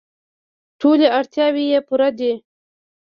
ټولې اړتیاوې یې پوره دي.